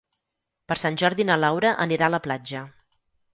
Per Sant Jordi na Laura anirà a la platja.